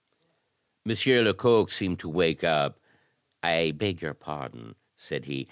M. Lecoq seemed to wake up. "I beg your pardon," said he.